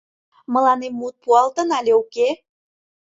Мыланем мут пуалтын але уке?